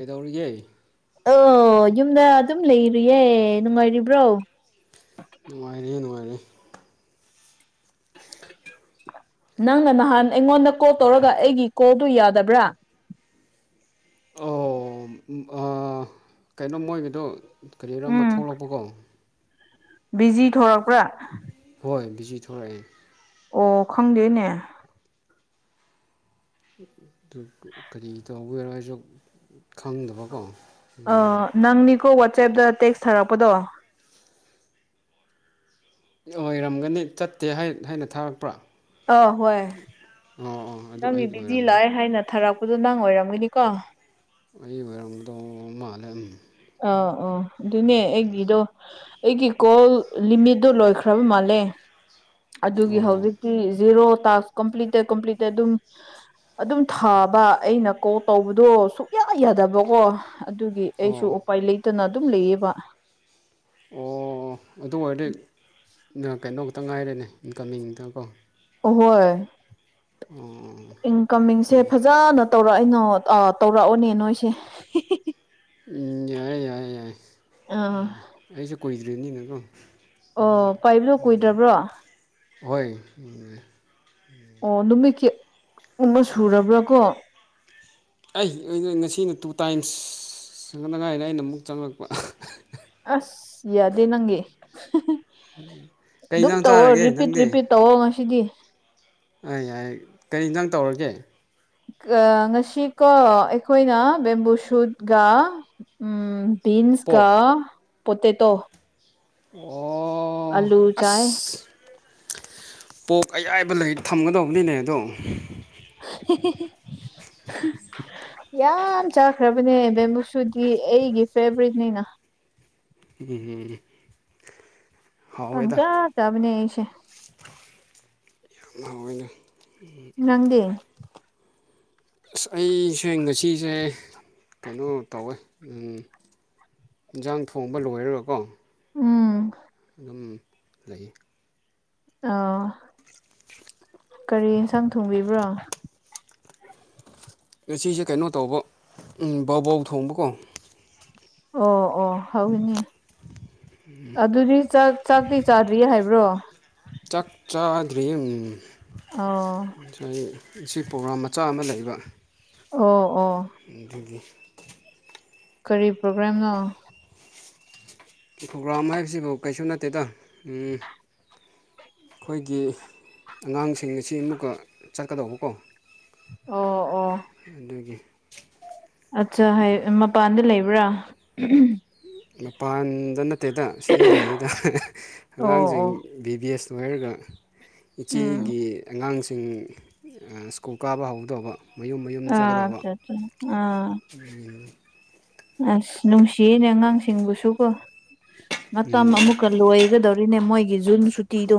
ꯀꯩꯗꯧꯔꯤꯒꯦ꯫ ꯑꯣ ꯌꯨꯝꯗ ꯑꯗꯨꯝ ꯂꯩꯔꯨꯌꯦ ꯅꯨꯡꯉꯥꯏꯔꯤꯕ꯭ꯔꯣ꯫ ꯅꯨꯡꯉꯥꯏꯔꯤꯌꯦ ꯅꯨꯡꯉꯥꯏꯔꯤꯌꯦ꯫ ꯅꯪꯅ ꯅꯍꯥꯟ ꯑꯩꯉꯣꯟꯗ ꯀꯣꯜ ꯇꯧꯔꯒ ꯑꯩꯒꯤ ꯀꯣꯜꯗꯣ ꯌꯥꯗꯕ꯭ꯔꯥ꯫ ꯑꯣ ꯀꯩꯅꯣ ꯃꯣꯏꯒꯤꯗꯣ꯫ ꯀꯔꯤꯔꯣ ꯑꯃ ꯎꯝ ꯊꯣꯛꯂꯛꯄꯀꯣ꯫ ꯕꯤꯖꯤ ꯊꯣꯔꯛꯄ꯭ꯔꯥ꯫ ꯍꯣꯏ ꯕꯤꯖꯤ ꯊꯣꯔꯛꯑꯦ꯫ ꯑꯣ ꯈꯪꯗꯦꯅꯦ꯫ ꯑꯗꯨ ꯀꯔꯤ ꯇꯧꯕꯒꯦꯔꯣ ꯑꯩꯁꯨ ꯈꯪꯗꯕꯀꯣ꯫ ꯅꯪꯅꯤꯀꯣ ꯋꯥꯆꯦꯞꯇ ꯇꯦꯛꯁ ꯊꯥꯔꯛꯄꯗꯣ꯫ ꯑꯣꯏꯔꯝꯒꯅꯤ ꯆꯠꯇꯦ ꯍꯥꯏꯅ ꯊꯥꯔꯛꯄ꯭ꯔꯥ꯫ ꯑ ꯍꯣꯏ꯫ ꯑꯣ ꯑꯣ꯫ ꯑꯗꯨ ꯅꯪꯗꯤ ꯑꯩꯒꯤ ꯕꯤꯖꯤ ꯑꯣꯏꯔꯝꯒꯅꯤ ꯂꯥꯛꯑꯦ ꯍꯥꯏꯅ ꯊꯥꯔꯛꯄꯗꯣ ꯅꯪ ꯑꯣꯏꯔꯝꯒꯅꯤꯀꯣ꯫ ꯑꯩ ꯑꯣꯏꯔꯝꯗꯣ ꯃꯥꯜꯂꯦꯝ ꯑꯥ ꯑꯣ ꯑꯗꯨꯅꯦ ꯑꯩꯒꯤꯗꯣ ꯑꯩꯒꯤ ꯀꯣꯜ ꯂꯤꯃꯤꯠꯇꯨ ꯂꯣꯏꯈ꯭ꯔꯕ ꯃꯥꯜꯂꯦ ꯑꯗꯨꯒꯤ ꯑꯣ ꯍꯧꯖꯤꯛꯇꯤ ꯖꯦꯔꯣ ꯇꯥꯛꯁ꯫ ꯀꯝꯄ꯭ꯂꯤꯇꯦ ꯀꯝꯄꯂꯤꯠ ꯑꯗꯨꯝ ꯑꯗꯨꯝ ꯊꯥꯕ ꯑꯩꯅ ꯀꯣꯜ ꯇꯧꯕꯗꯣ ꯁꯨꯛꯌꯥ ꯌꯥꯗꯕꯀꯣ ꯑꯗꯨꯒꯤ ꯑꯩꯁꯨ ꯑꯣ ꯎꯄꯥꯏ ꯂꯩꯇꯅ ꯑꯗꯨꯝ ꯂꯩꯌꯦꯕ ꯑꯣ ꯑꯗꯨ ꯑꯣꯏꯔꯗꯤ ꯀꯩꯅꯣ ꯈꯛꯇ ꯉꯥꯏꯔꯦꯅꯦ ꯏꯟꯀꯃꯤꯡꯗ ꯀꯣ꯫ ꯍꯣꯏ꯫ ꯎꯝ꯫ ꯏꯟꯀꯝꯃꯤꯡꯁꯦ ꯐꯖꯅ ꯇꯧꯔꯛꯏꯅꯣ ꯇꯧꯔꯛꯑꯣꯅꯦ ꯅꯣꯏꯁꯦ꯫ ꯎꯝ ꯌꯥꯏꯦ ꯌꯥꯏꯦ ꯌꯥꯏꯦ ꯑꯥ ꯌꯥꯏ ꯑꯩꯁꯨ ꯀꯨꯏꯗ꯭ꯔꯤꯕꯅꯤꯅꯀꯣ꯫ ꯑꯣ ꯄꯥꯏꯕꯂꯣ ꯀꯨꯏꯗ꯭ꯔꯕ꯭ꯔꯣ꯫ ꯍꯣꯏ꯫ ꯑꯣ ꯅꯨꯃꯤꯠꯀꯤ ꯑꯃ ꯁꯨꯔꯕ꯭ꯔꯥ ꯀꯣ꯫ ꯑꯩ ꯑ ꯉꯁꯤꯅ ꯇꯨ ꯇꯥꯏꯝꯁ ꯆꯪꯅꯤꯉꯥꯏꯗ ꯑꯩꯅ ꯑꯃꯨꯛ ꯆꯪꯂꯛꯄ꯫ ꯑꯁ ꯌꯥꯗꯦ ꯅꯪꯒꯤ ꯀꯩ ꯑꯗꯨꯝ ꯏꯟꯖꯥꯡ ꯇꯧꯑꯣ ꯆꯥꯔꯒꯦ ꯔꯤꯄꯤꯠ ꯅꯪꯗꯤ ꯔꯤꯄꯤꯠ꯫ ꯇꯧꯑꯣ ꯉꯁꯤꯗꯤ꯫ ꯑ ꯌꯥꯏ ꯀꯔꯤ ꯏꯟꯁꯥꯡ ꯇꯧꯔꯒꯦ ꯑ ꯉꯁꯤꯀꯣ ꯑꯩꯈꯣꯏꯅ ꯕꯦꯝꯕꯨ ꯁꯨꯠꯒ ꯕꯤꯟꯁ ꯄꯣꯛ ꯀ ꯄꯣꯇꯦꯇꯣ ꯑꯣ꯫ ꯑꯂꯨ ꯆꯥꯌꯦ꯫ ꯑꯁ ꯄꯣꯛ ꯑꯌꯥꯏꯕ ꯂꯩ ꯊꯝꯒꯗꯧꯕꯅꯤꯅꯦ ꯑꯗꯣ꯫ [unintelligible] ꯌꯥꯝ ꯆꯥꯈ꯭ꯔꯕꯅꯦ ꯕꯦꯝꯕꯨꯁꯨꯗꯤ ꯑꯩꯒꯤ ꯐꯦꯕꯔꯔꯤꯠꯅꯤꯅ꯫ ꯎꯝ ꯄꯪꯖꯥ ꯆꯕꯅꯦꯁꯦ [unintelligible] ꯌꯥꯝ ꯍꯥꯎꯏꯅꯦ ꯅꯪꯗꯤ ꯑꯁ ꯑꯩꯁꯦ ꯉꯁꯤꯁꯦ ꯀꯩꯅꯣ ꯇꯧꯋꯦ ꯌꯦꯟꯁꯥꯡ ꯊꯣꯡꯕ ꯂꯣꯏꯔꯒꯀꯣ ꯎꯝ ꯑꯗꯨꯝ ꯂꯩ ꯑꯥ ꯀꯔꯤ ꯑꯦꯟꯁꯥꯡ ꯊꯣꯡꯕꯤꯕ꯭ꯔꯣ ꯉ ꯁꯤꯁꯦ ꯀꯩꯅꯣ ꯇꯧꯕ ꯕꯧ ꯕꯧ ꯊꯣꯡꯕꯀꯣ ꯑꯣ ꯑꯣ ꯍꯧꯅꯤ ꯑꯗꯨꯗꯤ ꯆꯥꯛ ꯆꯥꯛꯇꯤ ꯆꯥꯗ꯭ꯔꯤꯌꯦ ꯍꯥꯏꯕ꯭ꯔꯣ ꯆꯥꯛ ꯆꯥꯥꯗ꯭ꯔꯤꯌꯦ ꯑꯣ ꯉꯁꯤ ꯄ꯭ꯔꯣꯒ꯭ꯔꯥꯝ ꯃꯆꯥ ꯑꯃ ꯂꯩꯕ ꯑꯣ ꯑꯣ ꯑꯗꯨꯒꯤ ꯀꯔꯤ ꯄ꯭ꯔꯣꯒ꯭ꯔꯥꯝꯅꯣ ꯈꯧꯒ꯭ꯔꯥꯝ ꯍꯥꯏꯕꯁꯤꯕꯨ ꯀꯩꯁꯨ ꯅꯠꯇꯦꯗ ꯎꯝ ꯑꯩꯈꯣꯏꯒꯤ ꯑꯉꯥꯡꯁꯤꯡ ꯑꯁꯤ ꯑꯃꯨꯛꯀ ꯆꯠꯀꯗꯧꯕꯀꯣ ꯑꯣ ꯑꯣ ꯑꯗꯨꯒꯤ ꯑꯠꯆꯥ ꯍꯥꯏ ꯃꯄꯥꯟꯗ ꯂꯩꯕ꯭ꯔꯥ ꯃꯄꯥꯟꯗ ꯅꯠꯇꯦꯗ ꯁꯤꯗ ꯂꯩꯔꯤꯗ ꯑꯣ ꯑꯉꯥꯡꯁꯤꯡ ꯑꯣ ꯕꯤ ꯕꯤ ꯑꯦꯁ ꯂꯣꯏꯔꯒ ꯎꯝ ꯏꯆꯦꯒꯤ ꯑꯉꯥꯡꯁꯤꯡ ꯁ꯭ꯀꯨꯜ ꯀꯥꯕ ꯍꯧꯒꯗꯧꯕ ꯃꯌꯨꯝ ꯃꯌꯨꯝ ꯑꯥ ꯆꯠꯒꯗꯧꯕ ꯑꯠꯆꯥ ꯑꯠꯆꯥ ꯑꯥ ꯑꯁ ꯅꯨꯡꯁꯤꯅꯦ ꯑꯉꯥꯡꯁꯤꯡꯕꯨꯁꯨꯀꯣ ꯃꯇꯝ ꯑꯃꯨꯛꯀ ꯂꯣꯏꯒꯗꯧꯔꯤ ꯑꯗꯨꯅꯦ ꯃꯣꯏꯒꯤ ꯖꯨꯟ ꯁꯨꯇꯤꯗꯣ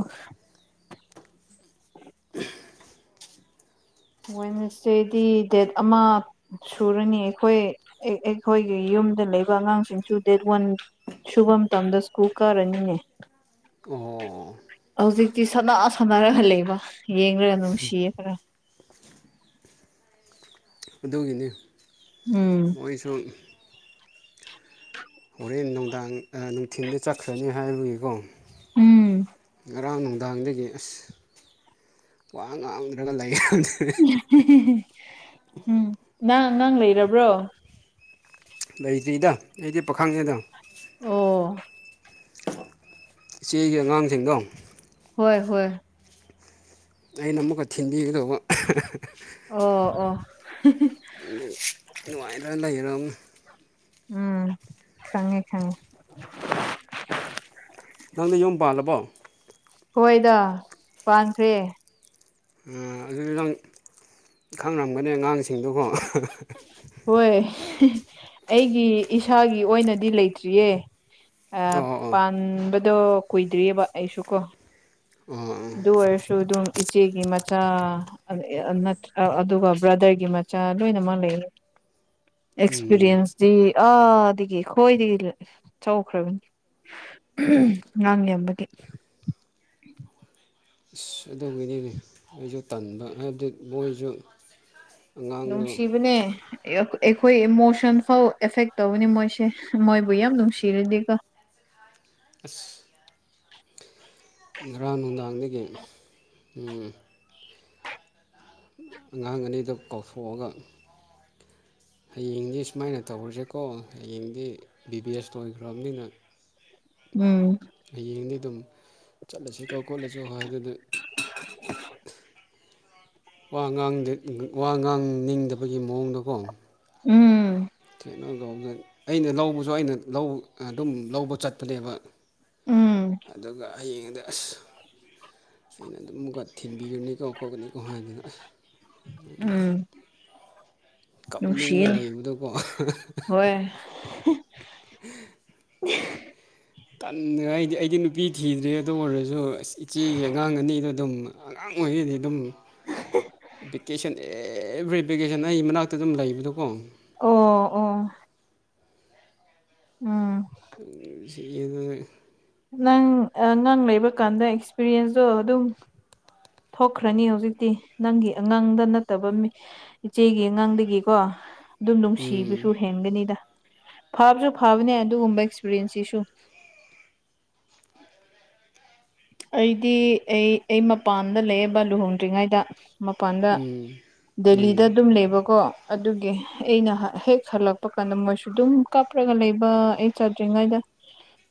ꯍꯣꯏ ꯅꯁꯤꯗꯤ ꯗꯦꯠ ꯑꯃ ꯁꯨꯔꯅꯤ ꯑꯩꯈꯣꯏ ꯑꯩꯈꯣꯏꯒꯤ ꯌꯨꯝꯗ ꯂꯩꯕ ꯑꯉꯥꯡꯁꯤꯡꯁꯨ ꯗꯦꯠ ꯋꯥꯟ ꯁꯨꯕ ꯃꯇꯝꯗ ꯁ꯭ꯀꯨꯜ ꯀꯥꯔꯅꯤꯡꯉꯦ ꯑꯣ ꯍꯧꯖꯤꯛꯇꯤ ꯁꯅꯥ ꯁꯥꯟꯅꯔꯒꯜꯂꯕ ꯌꯦꯡꯉꯒ ꯅꯨꯡꯁꯤꯌꯦ ꯈꯔ ꯑꯗꯨꯒꯤꯅꯤ ꯎꯝ ꯃꯣꯏꯁꯨ ꯍꯣꯔꯦꯟ ꯅꯨꯡꯗꯥꯡ ꯅꯨꯡꯊꯤꯟꯜꯗ ꯆꯠꯈ꯭ꯔꯅꯤ ꯍꯥꯏꯔꯨꯏꯀꯣ ꯎꯝ ꯉꯔꯥꯡ ꯅꯨꯡꯗꯥꯡꯗꯒꯤ ꯑꯁ ꯋꯥ ꯉꯥꯡꯗ꯭ꯔꯒ ꯂꯩꯈ꯭ꯔꯦ ꯎꯝ ꯅꯪ ꯅꯪ ꯑꯉꯥꯡ ꯂꯩꯔꯕ꯭ꯔꯣ ꯂꯩꯇ꯭ꯔꯤꯗ ꯑꯩꯗꯤ ꯄꯥꯈꯪꯅꯦꯗ ꯑꯣ ꯏꯆꯦꯒꯤ ꯑꯉꯥꯡꯁꯤꯡꯗꯣ ꯍꯣꯏ ꯍꯣꯏ ꯑꯩꯅ ꯑꯃꯨꯛꯀ ꯊꯤꯟꯕꯤꯒꯗꯧꯕ ꯑꯣ ꯑꯣ ꯑꯗꯤ ꯅꯨꯡꯉꯥꯏꯔ ꯂꯩꯔ ꯎꯝ ꯈꯪꯉꯦ ꯈꯪꯉꯦ ꯅꯪꯗꯤ ꯌꯨꯝ ꯄꯥꯜꯂꯕꯣ ꯍꯣꯏꯗ ꯄꯥꯟꯈ꯭ꯔꯦ ꯎꯝ ꯑꯗꯨꯗꯤ ꯅꯪ ꯈꯪꯅꯔꯝꯒꯅꯤ ꯑꯉꯥꯡꯁꯤꯡꯗꯨ ꯀꯣ ꯍꯣꯏ ꯑꯩꯒꯤ ꯏꯁꯥꯒꯤ ꯑꯣꯏꯅꯗꯤ ꯂꯩꯇ꯭ꯔꯤꯌꯦ ꯑ ꯑꯣ ꯑꯣ ꯄꯥꯟꯕꯗꯣ ꯀꯨꯏꯗ꯭ꯔꯤꯑꯕ ꯑꯩꯁꯨ ꯀꯣ ꯑꯣ ꯑꯗꯨ ꯑꯣꯏꯔꯁꯨ ꯑꯗꯨꯝ ꯏꯆꯦꯒꯤ ꯃꯆꯥ ꯑꯟ ꯑꯦ ꯑꯟ ꯅꯠ ꯑ ꯑꯗꯨꯒ ꯕ꯭ꯔꯥꯗꯔꯒꯤ ꯃꯆꯥ ꯂꯣꯏꯅꯃꯛ ꯂꯩꯌꯦ ꯎꯝ ꯑꯦꯛꯁꯄꯤꯔꯤꯌꯦꯟꯁꯇꯤ ꯑꯥꯗꯒꯤ ꯈꯣꯏꯗꯒꯤ ꯇꯧꯈ꯭ꯔꯕꯅꯤ ꯎꯝ ꯉꯥꯡ ꯅꯦꯝꯕꯒꯤ ꯑꯁ ꯑꯗꯨꯒꯤꯅꯤꯅꯦ ꯑꯩꯁꯨ ꯇꯟꯕ ꯍꯥꯏꯕꯗꯤ ꯃꯣꯏꯖꯨ ꯅꯨꯡꯁꯤꯕꯅꯦ ꯑꯦ ꯑꯩꯈꯣꯏ ꯏꯃꯣꯁꯟ ꯐꯥꯎ ꯑꯦꯐꯦꯛ ꯇꯧꯅꯤ ꯃꯣꯏꯁꯦ ꯃꯣꯏꯕꯨ ꯌꯥꯝ ꯅꯨꯡꯁꯤꯔꯗꯤꯀꯣ ꯑꯁ ꯉꯔꯥꯡ ꯅꯨꯡꯗꯥꯡꯗꯒꯤ ꯎꯝ ꯑꯉꯥꯡ ꯑꯅꯤꯗꯣ ꯀꯧꯊꯣꯛꯑꯒ ꯍꯌꯦꯡꯗꯤ ꯁꯨꯃꯥꯏꯅ ꯇꯧꯔꯖꯦꯀꯣ ꯍꯌꯦꯡꯗꯤ ꯕꯤ ꯕꯤ ꯑꯦꯁ ꯂꯣꯏꯈ꯭ꯔꯕꯅꯤꯅ ꯎꯝ ꯍꯌꯦꯡꯗꯤ ꯑꯗꯨꯝ ꯆꯠꯂꯁꯤꯀꯣ ꯈꯣꯠꯂꯁꯨ ꯍꯥꯏꯗꯨꯗꯤ ꯋꯥ ꯉꯥꯡꯗꯦ ꯋꯥ ꯉꯥꯡꯅꯤꯡꯗꯕꯒꯤ ꯃꯑꯣꯡꯗꯀꯣ ꯎꯝ ꯀꯩꯅꯣ ꯇꯧꯕꯅꯦ ꯑꯩꯅ ꯂꯧꯕꯁꯨ ꯑꯩꯅ ꯂꯧ ꯑꯗꯨꯝ ꯂꯧꯕ ꯆꯠꯄꯅꯦꯕ ꯎꯝ ꯑꯗꯨꯒ ꯍꯌꯦꯡꯗꯤ ꯑꯁ ꯑꯩꯅ ꯑꯗꯨꯝꯀ ꯊꯤꯟꯕꯤꯔꯅꯤꯀꯣ ꯈꯣꯠꯀꯅꯤꯀꯣ ꯍꯥꯏꯗꯨꯗ ꯑꯁ ꯎꯝ ꯀꯞꯅꯤꯡꯉ ꯅꯨꯡꯁꯤꯌꯦ ꯂꯩꯕꯗꯀꯣ ꯍꯣꯏ [unintelligible] ꯇꯟꯗꯅ ꯑꯩꯗꯤ ꯑꯩꯗꯤ ꯅꯨꯄꯤ ꯊꯤꯗ꯭ꯤꯔꯌꯦ ꯑꯗꯨ ꯑꯣꯏꯔꯖꯨ ꯑꯁ ꯏꯆꯦꯒꯤ ꯑꯉꯥꯡ ꯑꯅꯤꯗꯣ ꯑꯗꯨꯝ ꯑꯉꯥꯡ ꯑꯣꯏꯔꯤꯉꯩꯗꯤ ꯑꯗꯨꯝ ꯚꯦꯀꯦꯁꯟ ꯖꯦ ꯑꯦꯕ꯭ꯔꯤ ꯚꯦꯀꯦꯁꯟ ꯑꯩꯒꯤ ꯃꯅꯥꯛꯇ ꯑꯗꯨꯝ ꯂꯩꯕꯗꯣꯀꯣ ꯑꯣ ꯑꯣ ꯎꯝ ꯅꯨꯡꯁꯤꯕꯒꯩ ꯅꯪ ꯑ ꯂ ꯩꯕ ꯀꯥꯟꯗ ꯑꯦꯛꯁꯄꯤꯔꯤꯌꯦꯟꯁꯇꯣ ꯑꯗꯨꯝ ꯊꯣꯛꯈ꯭ꯔꯅꯤ ꯍꯧꯖꯤꯛꯇꯤ ꯅꯪꯒꯤ ꯑꯉꯥꯡꯗ ꯅꯠꯇꯕ ꯃꯤ ꯏꯆꯦꯒꯤ ꯑꯉꯥꯡꯗꯒꯤꯀꯣ ꯑꯗꯨꯝ ꯅꯨꯡꯁꯤꯕꯁꯨ ꯎꯝ ꯍꯦꯟꯒꯅꯤꯗ ꯐꯕꯁꯨ ꯐꯕꯅꯦ ꯑꯗꯨꯒꯨꯝꯕ ꯑꯦꯛꯁꯄꯤꯔꯦꯟꯁꯁꯤꯁꯨ ꯑꯩꯗꯤ ꯑꯩ ꯑꯩ ꯃꯄꯥꯟꯗ ꯂꯩꯌꯦꯕ ꯂꯨꯍꯣꯡꯗ꯭ꯔꯤꯉꯩꯗ ꯃꯄꯥꯟꯗ ꯎꯝ ꯎꯝ ꯗꯦꯜꯂꯤꯗ ꯑꯗꯨꯝ ꯂꯩꯕꯀꯣ ꯑꯗꯨꯒꯤ ꯑꯩꯅ ꯍ ꯍꯦꯛ ꯍꯜꯂꯛꯄ ꯀꯥꯟꯗ ꯃꯣꯏꯁꯨ ꯑꯗꯨꯝ ꯀꯥꯞꯔꯒ ꯂꯩꯕ ꯑꯩ ꯆꯥꯗ꯭ꯔꯤꯉꯩꯗ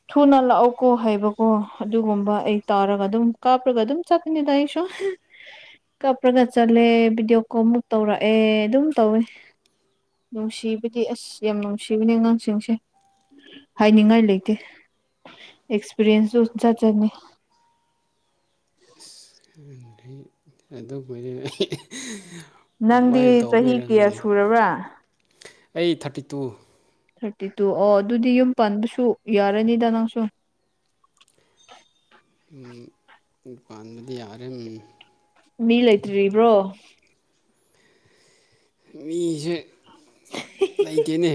ꯊꯨꯅ ꯂꯥꯛꯑꯣ ꯀꯣ ꯍꯥꯏꯕꯀꯣ ꯑꯗꯨꯒꯨꯝꯕ ꯑꯩ ꯇꯥꯔꯒ ꯑꯗꯨꯝ ꯀꯥꯞꯔꯒ ꯑꯗꯨꯝ ꯆꯠꯄꯅꯤꯗ ꯑꯩꯁꯨ ꯀꯞꯄ꯭ꯔꯒ ꯆꯠꯂꯦ ꯚꯤꯗꯤꯑꯣ ꯀꯣꯜꯃꯨꯛ ꯇꯧꯔꯛꯑꯦ ꯑꯗꯨꯝ ꯇꯧꯋꯦ ꯅꯨꯡꯁꯤꯕꯗꯤ ꯑꯁ ꯌꯥꯝ ꯅꯨꯡꯁꯤꯕꯅꯦ ꯑꯉꯥꯡꯁꯤꯡꯁꯦ ꯍꯥꯏꯅꯤꯡꯉꯥꯏ ꯂꯩꯇꯦ ꯑꯦꯛꯁꯄꯤꯔꯤꯌꯦꯟꯁꯁꯨ ꯖꯠ ꯖꯠꯅꯤ [unintelligible] [inaudible] ꯑꯗꯨ ꯒꯣꯏ [unintelligible] ꯅꯪꯗꯤ ꯑꯗꯨꯃꯥꯏꯅ ꯆꯍꯤ ꯇꯧꯕꯩꯔ ꯀꯌꯥ ꯈꯪꯗꯦ ꯁꯨꯔꯕ꯭ꯔꯥ ꯑꯩ ꯊꯥꯔꯇꯤ ꯇꯨ ꯊꯥꯔꯇꯤ ꯇꯨ ꯑꯣ ꯑꯗꯨꯗꯤ ꯌꯨꯝ ꯄꯥꯟꯕꯁꯨ ꯌꯥꯔꯅꯤꯗ ꯅꯪꯁꯨ ꯎꯝ ꯄꯥꯟꯕꯗꯤ ꯌꯥꯔꯦ ꯎꯝ ꯃꯤ ꯂꯩꯇ꯭ꯔꯤꯕ꯭ꯔꯣ ꯃꯤꯁꯦ ꯂꯩꯇꯦꯅꯦ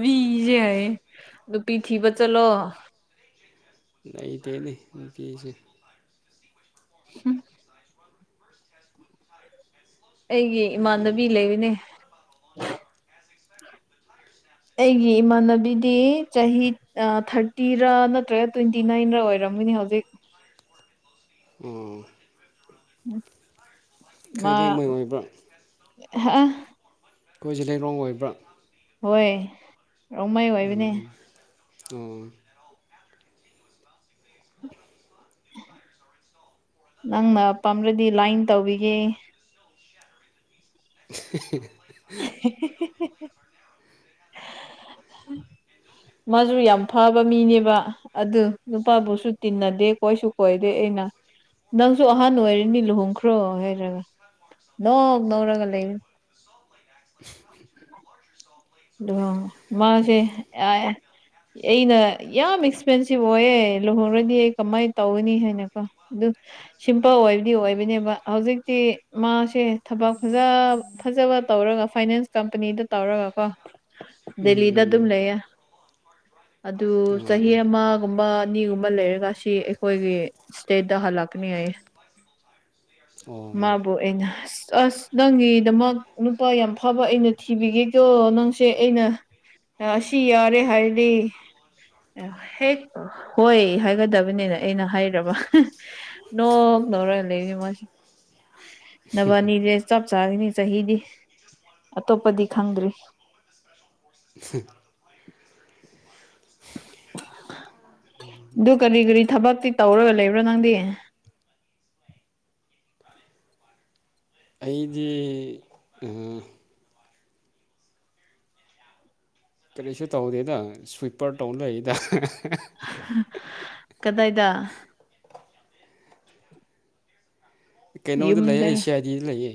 ꯃꯤꯁꯦ ꯍꯥꯏ ꯅꯨꯄꯤ ꯊꯤꯕ ꯆꯠꯂꯣ ꯂꯩꯇꯦꯅꯦ ꯅꯨꯄꯤꯁꯦ ꯎꯝ ꯑꯩꯒꯤ ꯏꯃꯥꯟꯅꯕꯤ ꯂꯩꯕꯅꯦ ꯑꯩꯒꯤ ꯏꯃꯥꯟꯅꯕꯤꯗꯤ ꯆꯍꯤ ꯊꯥꯔꯇꯤꯔ ꯅꯠꯇ꯭ꯔꯒ ꯇ꯭ꯋꯦꯟꯇꯤ ꯅꯥꯏꯟꯔ ꯑꯣꯏꯔꯝꯒꯅꯤ ꯍꯧꯖꯤꯛ ꯎꯝ ꯃꯥ ꯈꯩꯂꯦꯡꯃꯩ ꯑꯣꯏꯕ꯭ꯔꯥ ꯍꯥ ꯑꯩꯈꯣꯏ ꯖꯤꯂꯩꯔꯣꯡ ꯑꯣꯏꯕ꯭ꯔꯥ ꯍꯣꯏ ꯔꯣꯡꯃꯩ ꯑꯣꯏꯕꯅꯦ ꯎꯝ ꯑꯣ ꯅꯪꯅ ꯄꯥꯝꯔꯗꯤ ꯂꯥꯏꯟ ꯇꯧꯕꯤꯒꯦ [unintelligible] [unintelligible] [unintelligible] ꯃꯥꯁꯨ ꯌꯥꯝ ꯐꯕ ꯃꯤꯅꯦꯕ ꯑꯗꯨ ꯅꯨꯄꯥꯕꯨꯁꯨ ꯇꯤꯟꯅꯗꯦ ꯀꯣꯏꯁꯨ ꯀ‌ꯣꯏꯗ‌ꯦ ꯑꯩꯅ ꯅꯪꯁꯨ ꯑꯍꯥꯟ ꯑꯣꯏꯔꯅꯤ ꯂꯨꯍꯣꯡꯈ꯭ꯔꯣ ꯍꯥꯏꯔꯒ ꯅꯣꯛ ꯅ‌ꯣꯛꯔꯒ ꯂꯩ ꯃꯥꯁ‌ꯦ [unintelligible] ꯑꯩꯅ ꯌꯥꯝ ꯑꯦꯛꯁꯄꯦꯟꯁꯤꯞ ꯑꯣꯏꯌꯦ ꯂꯨꯍꯣꯡꯔꯗꯤ ꯑꯩ ꯀꯃꯥꯏꯅ ꯇꯧꯒꯅꯤ ꯍꯥꯏꯅꯀꯣ ꯑꯗꯨ ꯁꯤꯝꯄꯜ ꯑꯣꯏꯕꯗꯤ ꯑꯣꯏꯕꯅꯦꯕ ꯍꯧꯖꯤꯛꯇꯤ ꯃꯥꯁꯦ ꯊꯕꯛ ꯐꯖ ꯐꯖꯕ ꯇꯧꯔꯒ ꯐꯥꯏꯅꯥꯟꯁ ꯀꯝꯄꯅꯤꯗ ꯇꯧꯔꯒ ꯀꯣ ꯎꯝ ꯗ‌ꯦꯂꯤꯗ ꯎꯝ ꯑꯗꯨꯨꯝ ꯂꯩꯌ‌ꯦ ꯑꯗꯨ ꯎꯝ ꯑꯣ ꯆꯍꯤ ꯑꯃꯒꯨꯝꯕ ꯑꯅꯤꯒꯨꯝꯕ ꯂꯩꯔꯒ ꯁꯤ ꯑꯩꯈꯣꯏꯒꯤ ꯁꯇꯦꯠꯗ ꯍꯜꯂꯛꯀꯅꯤ ꯍꯥꯏꯌꯦ [unintelligible] ꯃꯥꯕꯨ ꯑꯩꯅ ꯑ ꯑꯁ ꯅꯪꯒꯤꯗꯃꯛ ꯅꯨꯄꯥ ꯌꯥꯝ ꯐꯕ ꯑꯩꯅ ꯊꯤꯕꯤꯒꯦꯀꯣ ꯅꯪ ꯁꯦ ꯑꯩꯅ ꯁꯤ ꯌꯥꯔꯦ ꯍꯥꯏꯔꯗꯤ ꯍꯦꯛ ꯍꯣꯏ ꯍꯥꯏꯒꯗꯕꯅꯤꯅ ꯑꯩꯅ ꯍꯥꯏꯔꯕ ꯅ‌ꯣꯛ ꯅ‌ꯣꯛꯔꯒ ꯂꯩꯕꯅ‌ꯦ ꯃꯁꯨ ꯅꯕꯥꯅꯤꯖ‌ꯦ ꯆꯞ ꯆꯥꯒꯅꯤ ꯆꯍꯤꯗꯤ ꯑꯇꯣꯞꯄꯗꯤ ꯈꯪꯗ꯭ꯔꯤ [inaudible] [unintelligible] ꯑꯗꯨ ꯀꯔꯤ ꯀꯔꯤ ꯊꯕꯛꯇꯤ ꯇꯧꯔꯒ ꯂꯩꯕ꯭ꯔꯣ ꯅꯪꯗꯤ ꯑꯩꯗꯤ ꯎꯝ ꯀꯔꯤꯁꯨ ꯇꯧꯗꯦꯗ ꯁ꯭ꯋꯤꯞꯄꯔ ꯇꯧ ꯂꯩꯗ ꯀꯗꯥꯏꯗ ꯀꯩꯅꯣꯗ ꯂꯩꯌꯦ ꯑꯩ ꯁꯤ ꯑꯥꯏꯗꯤꯗ ꯂꯩꯌꯦ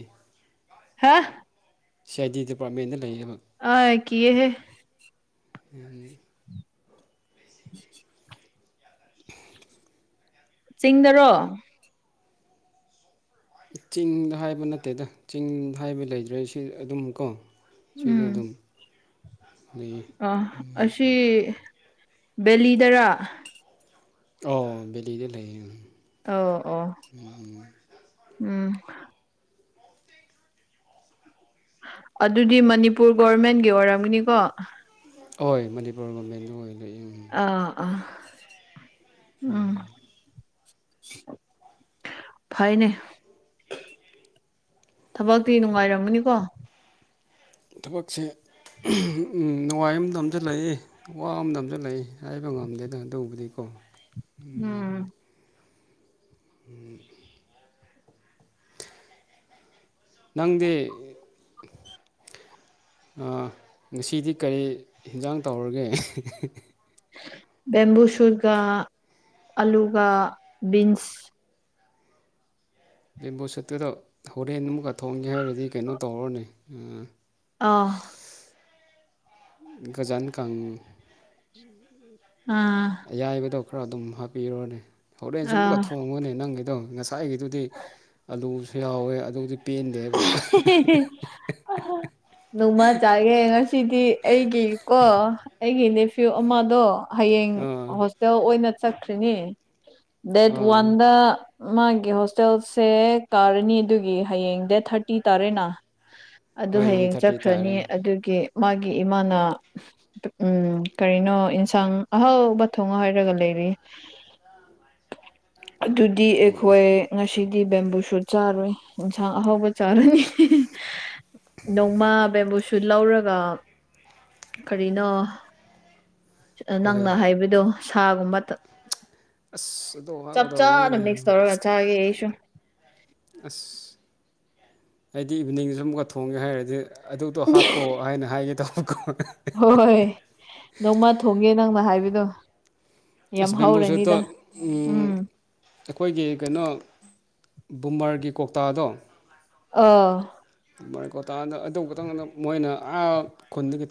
ꯍꯥꯥ ꯁꯤ ꯑꯥꯏ ꯗꯤ ꯗꯤꯄꯥꯔꯠꯃꯦꯟꯗ ꯂꯩꯌ‌ꯦꯕ ꯑ ꯀꯤꯌꯦꯍꯦ ꯌꯥ [unintelligible] [unintelligible] ꯆꯤꯡꯗꯔꯣ ꯆꯤꯡꯗ ꯍꯥꯏꯕ ꯅꯠꯇꯦꯗ ꯆꯤꯡꯗ ꯍꯥꯏꯕ ꯂꯩꯗ꯭ꯔꯦ ꯁꯤ ꯑꯗꯨꯝ ꯀꯣ ꯁꯤꯗ ꯎꯝ ꯑꯗꯨꯝ ꯂꯩꯌꯦ ꯑ ꯑꯁꯤ ꯕꯦꯂꯤꯗꯔꯥ ꯑꯣ ꯕ‌ꯦꯂꯤꯗ ꯂꯩꯌꯦ ꯎꯝ ꯑꯣ ꯑꯣ ꯎꯝ ꯑꯗꯨꯗꯤ ꯃꯅꯤꯄꯨꯔ ꯒꯣꯔꯃꯦꯟꯒꯤ ꯑꯣꯏꯔꯝꯒꯅꯤꯀꯣ ꯍꯣꯏ ꯃꯅꯤꯄꯨꯔ ꯒ‌ꯣꯔꯃꯦꯟꯗ ꯑꯣꯏ ꯂꯩꯏ ꯑꯥ ꯑꯥ ꯎꯝ ꯐꯥꯏꯅꯦ ꯊꯕꯛꯇꯤ ꯅꯨꯡꯉꯥꯏꯔꯝꯒꯅꯤꯀꯣ ꯊꯕꯛꯁꯦ ꯅꯨꯡꯉꯥꯏꯕ ꯑꯃ ꯅꯝꯁꯤꯜꯂꯛꯏ ꯋꯥ ꯑꯃꯗ ꯑꯃꯁꯝꯁꯨ ꯂꯩ ꯍꯥꯏꯕ ꯉꯝꯗꯦꯗ ꯑꯗꯨꯕꯨꯗꯤꯀꯣ ꯎꯝ ꯎꯝ ꯅꯪꯗꯤ ꯉꯁꯤꯗꯤ ꯀꯔꯤ ꯑꯦꯟꯖꯥꯡ ꯇꯧꯔꯒꯦ ꯕꯦꯝꯝꯕꯨ ꯁꯨꯔꯒ ꯑꯂꯨꯒ ꯟꯁ ꯑꯦ ꯕꯨꯣꯁꯠꯇꯨꯗ ꯍꯣꯔꯦꯟ ꯑꯃꯨꯛꯀ ꯊꯣꯡꯒꯦ ꯍꯥꯏꯔꯗꯤ ꯀꯩꯅꯣ ꯇꯧꯔꯅꯦ ꯑꯥ ꯖꯥꯟ ꯀꯥꯡ ꯑꯥ ꯑꯌꯥꯏꯕꯗꯣ ꯈꯔ ꯑꯗꯨꯝ ꯍꯥꯞꯄꯤꯔꯨꯔꯅꯦ ꯍꯣꯔꯦꯟ ꯁ ꯑꯃꯨꯛꯀ ꯑꯥ ꯊꯣꯡꯉꯅꯤ ꯅꯪꯒꯤꯗꯣ ꯉꯁꯥꯏ ꯀꯥꯏꯒꯤꯗꯨꯗꯤ ꯑꯂꯨꯁꯨ ꯌꯥꯎꯋꯦ ꯑꯗꯨꯗꯤ ꯄꯦꯟꯗꯦ ꯑ ꯅꯣꯡꯃ ꯆꯥꯒꯦ ꯉꯁꯤꯗꯤ ꯑꯩꯒꯤꯀꯣ ꯑꯩꯒꯤ ꯅꯦꯐ꯭ꯌꯨ ꯑꯃꯗꯣ ꯍꯌꯦꯡ ꯑꯥ ꯍꯣꯁꯇꯦꯜ ꯑꯣꯏꯅ ꯆꯠꯈ꯭ꯔꯤꯅꯤ ꯗꯦꯠ ꯑꯥ ꯋꯥꯟꯗ ꯃꯥꯒꯤ ꯍꯣꯁꯇꯦꯜꯁꯦ ꯀꯥꯔꯅꯤ ꯑꯗꯨꯒꯤ ꯍꯌꯦꯡ ꯗꯦ ꯊꯥꯔꯇꯤ ꯇꯥꯔꯦꯅ ꯑꯗꯨ ꯍꯣꯏꯅꯦ ꯍꯌꯦꯡ ꯊꯥꯔꯇꯤ ꯆꯠꯈ꯭ꯔꯅꯤ ꯇꯥꯔꯦ ꯑꯗꯨꯒꯤ ꯃꯥꯒꯤ ꯏꯃꯥꯅ ꯎꯝ ꯀꯔꯤꯅꯣ ꯏꯟꯁꯥꯡ ꯑꯍꯥꯎꯕ ꯊꯣꯡꯉ ꯍꯥꯏꯔꯒ ꯂꯩꯔꯤ ꯑꯗꯨꯗꯤ ꯑꯩꯈꯣꯏ ꯉꯁꯤꯗꯤ ꯕꯦꯝꯕꯨꯁꯨ ꯆꯥꯔꯨꯏ ꯏꯟꯁꯥꯡ ꯑꯍꯥꯎꯧꯕ ꯆ ꯅꯣꯡꯃꯥ ꯕꯕꯨꯁ ꯁꯨ ꯂꯧꯔꯒ ꯀꯔꯤꯅꯣ ꯅꯪꯅ ꯍꯣꯏ ꯍꯥꯏꯕꯗꯣ ꯁꯥꯒꯨꯝꯕ ꯑꯁ ꯑꯗꯨꯇꯣ ꯋꯥꯞꯀꯗꯧꯅꯤꯅꯦ ꯆꯆꯦ ꯑꯩꯁꯨ ꯑꯁ ꯑꯩꯗꯤ ꯏꯚꯤꯅꯤꯡꯗ ꯁꯨꯝꯀ ꯊꯣꯡꯒꯦ ꯍꯥꯏꯔꯗꯤ ꯑꯗꯨꯗꯣ ꯍꯥꯞꯄꯣ ꯍꯥꯏꯅ ꯍꯥꯏꯒꯦ ꯇꯧꯕꯀꯣ ꯍꯣꯏ ꯅꯣꯡꯃ ꯊꯣꯡꯒꯦ ꯅꯪꯅ ꯍꯥꯏꯕꯤꯗꯣ ꯑꯁ ꯦꯝꯕꯨꯖꯣꯏ ꯇ ꯎ ꯎꯝ ꯑꯩꯈꯣꯏꯒꯤ ꯀꯩꯅꯣ ꯕꯃꯔꯒꯤ ꯀꯧꯇꯥꯗꯣ ꯑꯥ ꯃꯔꯩꯀꯣꯇꯥꯗ ꯑꯗꯨꯧꯕꯇꯪꯗ ꯃꯣꯏꯅ ꯑꯥ ꯈꯨꯟꯗꯒꯤ